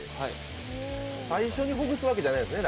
最初に崩すわけじゃないんですね。